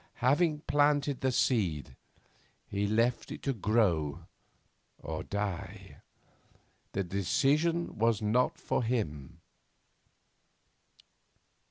Having planted the seed, he left it to grow or die. The decision was not for him.